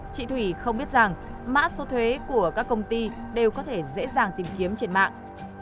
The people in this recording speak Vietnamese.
chị thủy không biết rằng mã số thuế của các công ty đều có thể dễ dàng tìm kiếm trên mạng